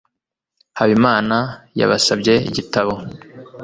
habimana yabasabye igitabo